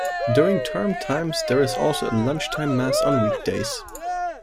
During term times there is also a lunchtime Mass on weekdays.